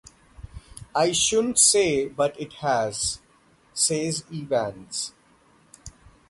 "I shouldn't say - but it has," says Evans.